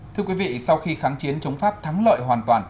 thưa quý vị sau khi kháng chiến chống pháp thắng lợi hoàn toàn